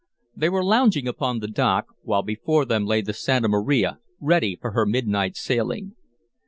They were lounging upon the dock, while before them lay the Santa Maria ready for her midnight sailing.